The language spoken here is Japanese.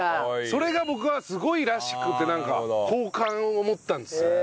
それが僕はすごいらしくてなんか好感を持ったんですよね。